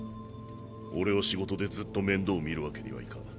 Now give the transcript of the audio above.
俺は仕事でずっと面倒を見るわけにはいかん。